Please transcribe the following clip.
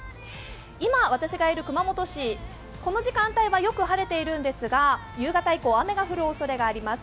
今、私がいる熊本市、この時間帯はよく晴れているんですが、夕方以降、雨が降るおそれもあります。